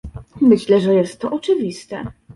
Myślę, że jest to oczywiste